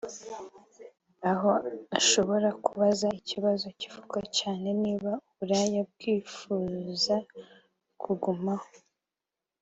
aho ashobora kubaza ikibazo kivugwa cane niba Uburaya bwipfuza kugumaho